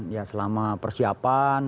ya selama persiapan